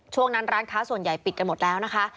ช่วงนั้นร้านค้าส่วนใหญ่ปิดกันหมดแล้วนะคะ